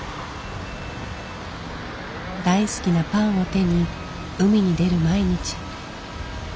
大好きなパンを手に海に出る毎日。